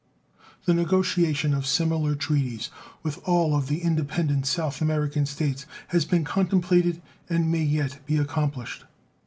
The negotiation of similar treaties with all of the independent South American States has been contemplated and may yet be accomplished.